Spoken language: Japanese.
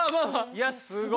いやすごい。